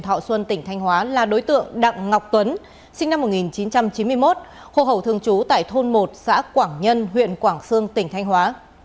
hồ hậu thương chú tại thôn một xã quảng nhân huyện quảng sương tỉnh thanh hóa